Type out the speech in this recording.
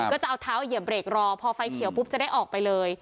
ก็จะเอาเท้าเหยียบเบรกรอพอไฟเขียวปุ๊บจะได้ออกไปเลย